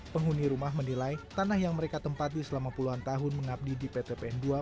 penghuni rumah menilai tanah yang mereka tempati selama puluhan tahun mengabdi di pt pn ii